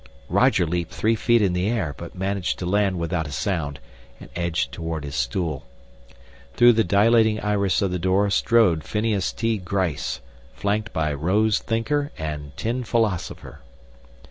Roger leaped three feet in the air, but managed to land without a sound and edged toward his stool. Through the dilating iris of the door strode Phineas T. Gryce, flanked by Rose Thinker and Tin Philosopher.